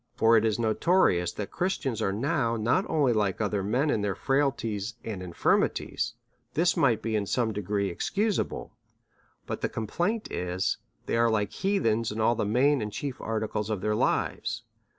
For it is notorious that Chris tians are now not only like other men in their frailties and infirmities, this might be in some degree excus able ; but the complaint is, they are like heathens in all the main and chief articles of their lives.